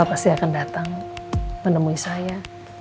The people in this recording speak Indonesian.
pasti akan datang menemui saya